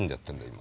今。